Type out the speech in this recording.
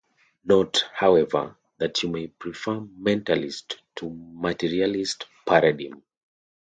Note, however, that you may prefer mentalist to materialist paradigm.